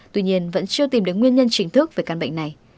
tuy nhiên vẫn chưa tìm được nguyên nhân chính thức về căn bệnh này